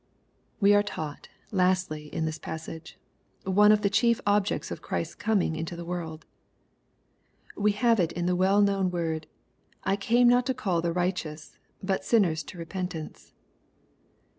We are taught, lastly, in this passage, ow6 of the chief olyecis of Chrisfs coming into the world. We have it in the well known world, " I came not to call the righteous, but sinners to repentance."